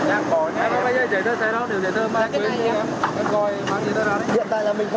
em không lấy giấy tờ xe đâu nếu lấy giấy tờ mà anh quên đi